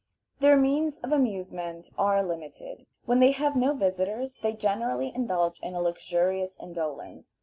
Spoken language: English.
Their means of amusement are limited. When they have no visitors they generally indulge in a luxurious indolence.